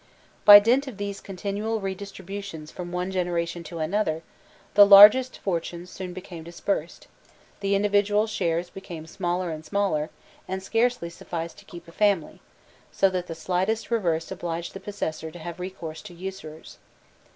By dint of these continual redistributions from one generation to another, the largest fortunes soon became dispersed: the individual shares became smaller and smaller, and scarcely sufficed to keep a family, so that the slightest reverse obliged the possessor to have recourse to usurers.